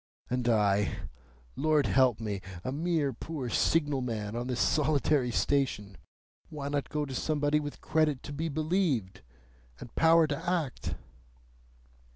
And I, Lord help me! A mere poor signal man on this solitary station! Why not go to somebody with credit to be believed, and power to act?"